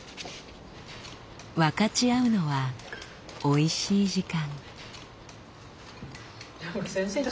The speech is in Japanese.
分かち合うのはおいしい時間。